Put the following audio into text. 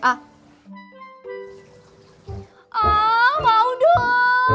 ah mau dong